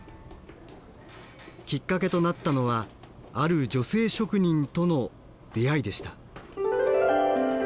きっかけとなったのはある女性職人との出会いでした。